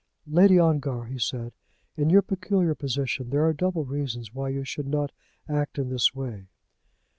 "Lady Ongar," he said, "in your peculiar position there are double reasons why you should not act in this way."